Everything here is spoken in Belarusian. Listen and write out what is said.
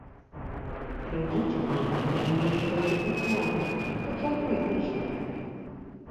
Прыйдзіце, маўляў, пазнаёміцца з рэпертуарам, хоць з адной песняй.